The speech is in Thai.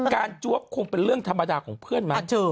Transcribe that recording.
จวบคงเป็นเรื่องธรรมดาของเพื่อนมั้ย